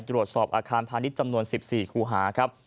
ตรวจสอบอาคารพาณิชย์จำนวน๑๔คูหาครับ